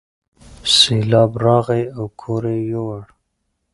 سیلاب راغی او کور یې یووړ.